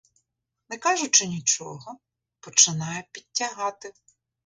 Не кажучи нічого, починає підтягати.